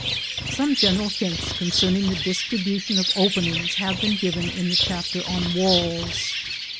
Some general hints concerning the distribution of openings have been given in the chapter on walls.